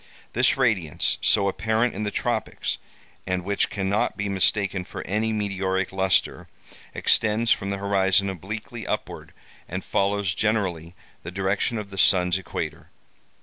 This radiance, so apparent in the tropics, and which cannot be mistaken for any meteoric lustre, extends from the horizon obliquely upward, and follows generally the direction of the sun's equator.